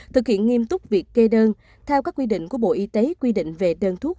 thực hiện nghiêm túc việc kê đơn theo các quy định của bộ y tế quy định về đơn thuốc